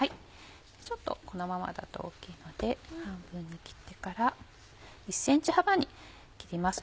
ちょっとこのままだと大きいので半分に切ってから１ｃｍ幅に切ります。